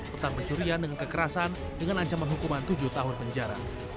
tentang pencurian dengan kekerasan dengan ancaman hukuman tujuh tahun penjara